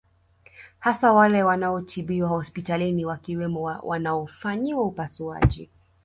Hasa wale wanaotibiwa hospitalini wakiwemo wanaofanyiwa upasuaji